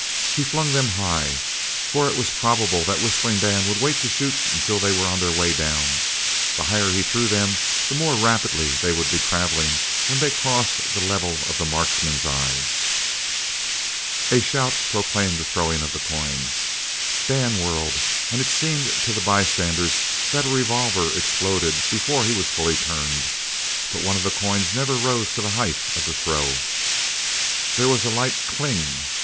He flung them high, for it was probable that Whistling Dan would wait to shoot until they were on the way down. The higher he threw them the more rapidly they would be travelling when they crossed the level of the markman's eye. As a shout proclaimed the throwing of the coins, Dan whirled, and it seemed to the bystanders that a revolver exploded before he was fully turned; but one of the coins never rose to the height of the throw. There was a light "cling!"